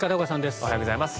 おはようございます。